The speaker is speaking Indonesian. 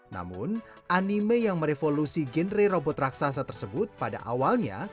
namun anime yang merevolusi genre robot raksasa tersebut pada awalnya